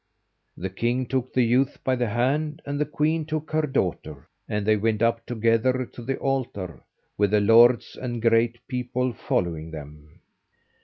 The king took the youth by the hand, and the queen took her daughter, and they went up together to the altar, with the lords and great people following them.